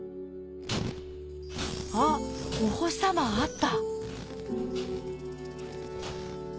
あっお星さまあった。